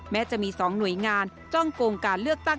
แม้จะมี๒หน่วยงานจ้องโกงการเลือกตั้ง